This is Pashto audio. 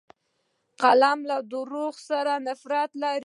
قلم له دروغو سره نفرت لري